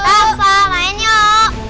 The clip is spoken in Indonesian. rafa main dong